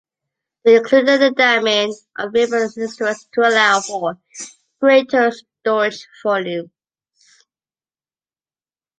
They included the damming of river estuaries to allow for greater storage volumes.